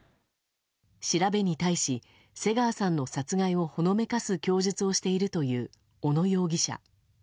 調べに対し、瀬川さんの殺害をほのめかす供述をしているという小野容疑者。